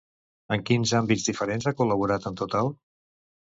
En quins àmbits diferents ha col·laborat en total?